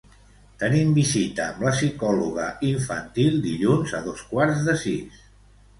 Tenim visita amb la psicòloga infantil dilluns a dos quarts de sis.